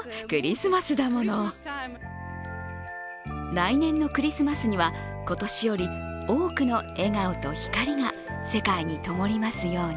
来年のクリスマスには今年より多くの笑顔と光が世界にともりますように。